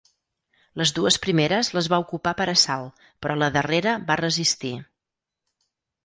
Les dues primeres les va ocupar per assalt, però la darrera va resistir.